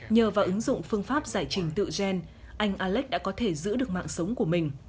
nhờ và ứng dụng phương pháp giải trình tự gen anh alex đã có thể giữ được mạng sống của mình